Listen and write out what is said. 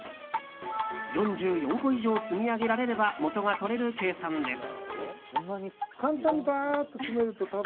４４個以上積み上げられれば元が取れる計算です。